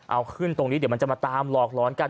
เอาขึ้นตรงนี้เดี๋ยวมันจะมาตามหลอกร้อนกัน